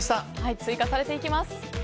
追加されていきます。